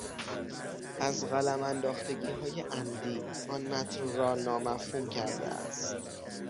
از قلم انداختگیهای عمدی، آن متن را نامفهوم کرده است.